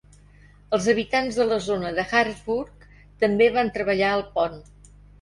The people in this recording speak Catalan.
Els habitants de la zona de Harrisburg també van treballar al pont.